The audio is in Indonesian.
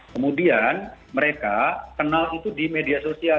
kemudian mereka kenal itu di media sosial